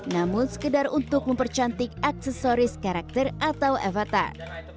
namun sekedar untuk mempercantik aksesoris karakter atau avatar